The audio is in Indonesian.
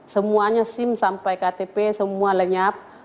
semuanya sim sampai ktp semua lenyap